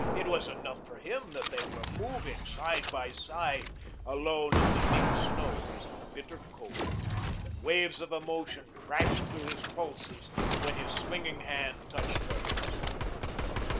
It was enough for him that they were moving side by side, alone in the deep snows and the biting cold, that waves of emotion crashed through his pulses when his swinging hand touched hers.